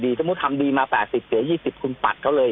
สมมุติสามรูปดีมา๘๐หรือ๒๐คนปัดเค้าเลย